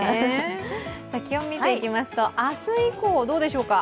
気温見ていきますと、明日以降どうでしょうか？